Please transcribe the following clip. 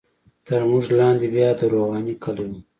تر موږ لاندې بیا د روغاني کلی وو.